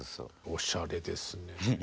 おしゃれですねえ。